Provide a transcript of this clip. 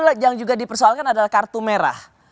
yang juga dipersoalkan adalah kartu merah